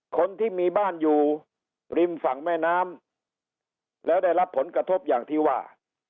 คนที่มีบ้านอยู่ริมฝั่งแม่น้ำแล้วได้รับผลกระทบอย่างที่ว่า